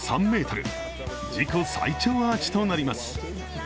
自己最長アーチとなります。